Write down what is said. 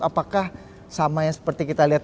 apakah sama yang seperti kita lihat